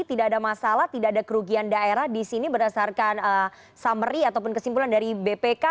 tidak ada masalah tidak ada kerugian daerah di sini berdasarkan summary ataupun kesimpulan dari bpk